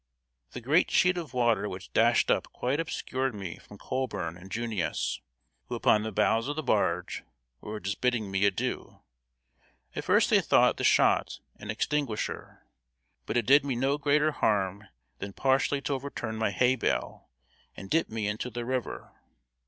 The great sheet of water which dashed up quite obscured me from Colburn and "Junius," who, upon the bows of the barge, were just bidding me adieu. At first they thought the shot an extinguisher. But it did me no greater harm than partially to overturn my hay bale and dip me into the river.